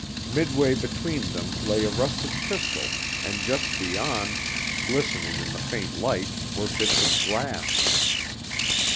Midway between them lay a rusted pistol and just beyond, glistening in the faint light, were bits of glass.